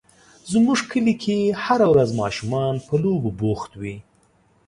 زموږ کلي کې هره ورځ ماشومان په لوبو بوخت وي.